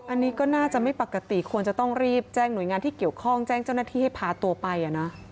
อันนี้ก็น่าจะไม่ปกติควรจะต้องรีบแจ้งหน่วยงานที่เกี่ยวข้องแจ้งเจ้าหน้าที่ให้พาตัวไป